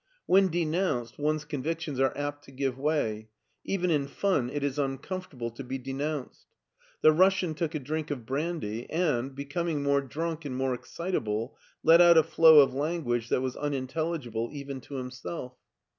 When denoimced, one's convictions are apt to give way ; even in fun it is uncomfortable to be denounced. The Russian took a drink of brandy, and, becoming more drunk and more excitable, let out a flow of lan^age that was unintel ligible even to himself.